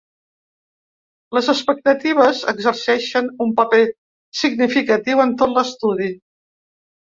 Les expectatives exerceixen un paper significatiu en tot l'estudi.